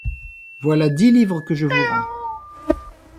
Voilà dix livres que je vous rends.